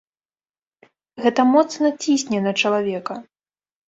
Гэта моцна цісне на чалавека.